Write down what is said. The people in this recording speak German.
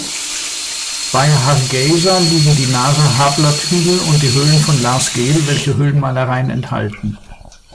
Bei Hargeysa liegen die Naasa-Hablood-Hügel und die Höhlen von Laas Geel, welche Höhlenmalereien enthalten.